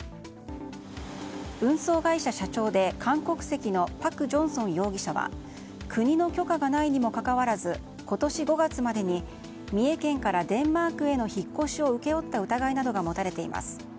運送会社社長で韓国籍のパク・ジョンソン容疑者は国の許可がないにもかかわらず今年５月までに三重県からデンマークへの引っ越しを請け負った疑いなどが持たれています。